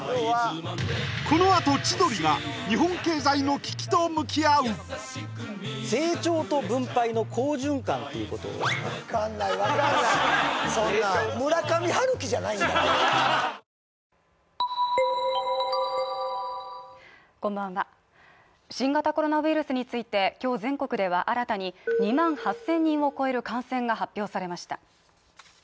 このあと千鳥が日本経済の危機と向き合う！っていうことをそんなん新型コロナウイルスについて、今日全国では新たに２万８０００人を超える感染が発表されました。